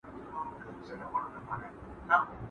دښمن څه وايي، چي ئې زړه وايي.